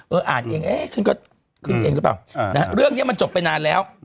อ่านเองเอ๊ะฉันก็ขึ้นเองหรือเปล่านะฮะเรื่องนี้มันจบไปนานแล้ว